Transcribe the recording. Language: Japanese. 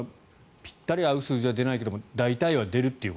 ぴったり合う数字は出ないけど大体は出るという。